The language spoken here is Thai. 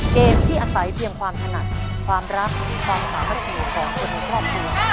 เกมที่อาศัยเพียงความถนัดความรักความสามัคคีของคนในครอบครัว